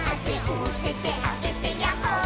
「おててあげてやっほー☆」